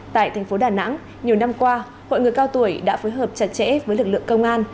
tại thành phố đà nẵng nhiều năm qua hội người cao tuổi đã phối hợp chặt chẽ với lực lượng công an